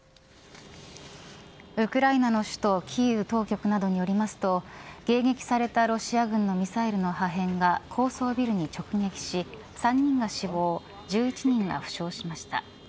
ウクライナの首都キーウ当局などによりますと迎撃されたロシア軍のミサイルの破片が高層ビルに直撃し、３人が死亡１１人が負傷しました。